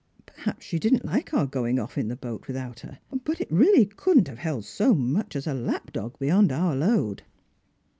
" Perhaps she didn' t like our going off in the boat without her; but it really couldn't have held so much as a lap dog beyond our load."